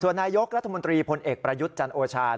นายกรัฐมนตรีพลเอกประยุทธ์จันโอชา